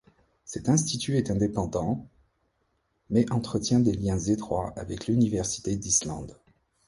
Cet institut est indépendant mais entretient des liens étroits avec l’université d'Islande.